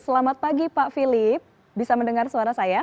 selamat pagi pak philip bisa mendengar suara saya